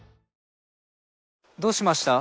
どうしました？